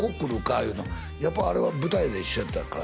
いうようなやっぱあれは舞台で一緒やったから？